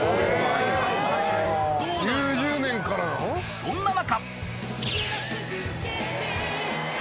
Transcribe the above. ［そんな中］